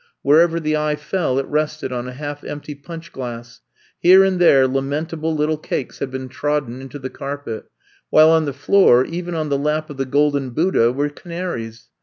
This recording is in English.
Wherever the eye fell it rested on a half empty punch glass. Here and there lamentable little cakes had been trod den into the carpet, while on the floor, even on the lap of the golden Buddha, were canaries.